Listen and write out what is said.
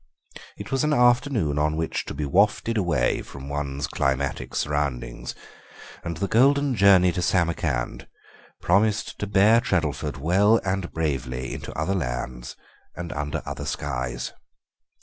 It was an afternoon on which to be wafted away from one's climatic surroundings, and "The Golden Journey to Samarkand" promised to bear Treddleford well and bravely into other lands and under other skies.